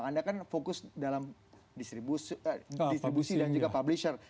anda kan fokus dalam distribusi dan juga publisher